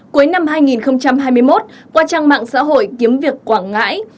cuối năm hai nghìn hai mươi một qua trang mạng xã hội kiếm việc quảng ngãi